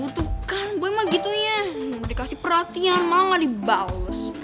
tuh kan boy emang gitunya dikasih perhatian malah gak dibalas